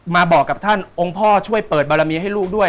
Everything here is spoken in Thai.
มาบอกกับท่านองค์พ่อช่วยเปิดบารมีให้ลูกด้วย